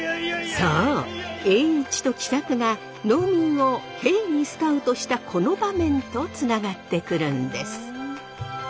そう栄一と喜作が農民を兵にスカウトしたこの場面とつながってくるんです。